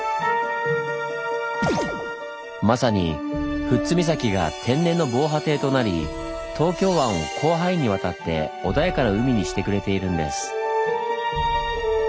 まさに富津岬が天然の防波堤となり東京湾を広範囲にわたって穏やかな海にしてくれているんです。